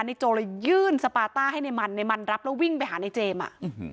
โจเลยยื่นสปาต้าให้ในมันในมันรับแล้ววิ่งไปหาในเจมส์อ่ะ